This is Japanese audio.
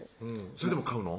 それでも買うの？